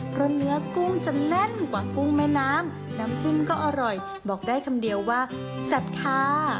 เพราะเนื้อกุ้งจะแน่นกว่ากุ้งแม่น้ำน้ำจิ้มก็อร่อยบอกได้คำเดียวว่าแซ่บค่ะ